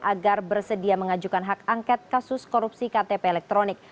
agar bersedia mengajukan hak angket kasus korupsi ktp elektronik